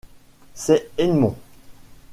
C'est Edmond.